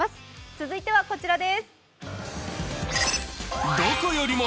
続いてはこちらです。